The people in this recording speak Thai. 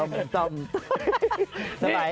คิดสิ